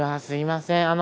すみません